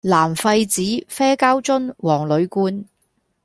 藍廢紙啡膠樽黃鋁罐